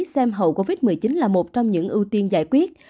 xem hậu covid một mươi chín là một trong những ưu tiên giải quyết